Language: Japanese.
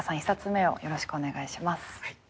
１冊目をよろしくお願いします。